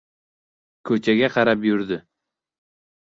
Ko‘chaga qarab yurdi.